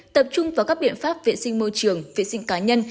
tập trung vào các biện pháp vệ sinh môi trường vệ sinh cá nhân